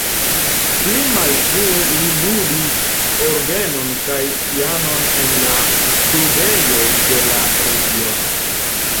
Pli malfrue li ludis orgenon kaj pianon en la klubejoj de la regiono.